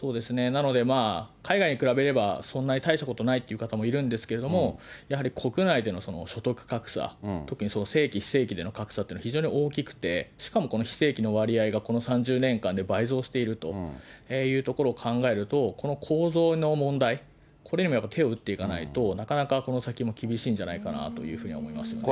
なので、海外に比べればそんなに大したことないっていう方もいるんですけれども、やはり国内での所得格差、特に正規、非正規での格差っていうのは、非常に大きくて、しかもこの非正規の割合がこの３０年間で倍増しているというところを考えると、この構造の問題、これにもやっぱり手を打っていかないと、なかなかこの先も厳しいんじゃないかなというふうに思いますよね。